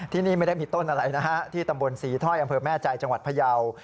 ที่นี่ไม่ได้มีต้นอะไรนะฮะที่ตำบลศรีถ้อยอำเภอแม่ใจจังหวัดพยาว